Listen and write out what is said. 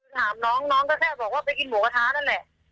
ถามน้องน้องก็แค่บอกว่าไปกินหมูกระทะนั่นแหละ